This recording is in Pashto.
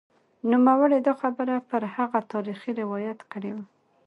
نوموړي دا خبره پر هغه تاریخي روایت کړې وه